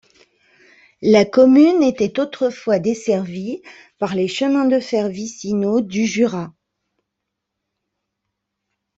La commune était autrefois desservie par les chemins de fer vicinaux du Jura.